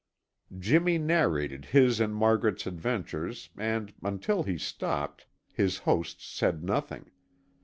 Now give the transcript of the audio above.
Jimmy narrated his and Margaret's adventures and, until he stopped, his hosts said nothing.